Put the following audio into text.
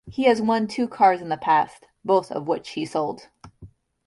He has won two cars in the past, both of which he sold.